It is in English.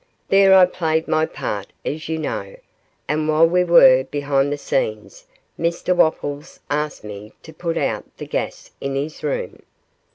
There I played my part as you know, and while we were behind the scenes Mr Wopples asked me to put out the gas in his room.